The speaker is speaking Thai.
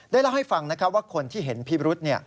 เล่าให้ฟังว่าคนที่เห็นพิรุษ